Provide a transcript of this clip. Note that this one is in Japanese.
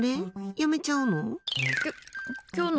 やめちゃうの？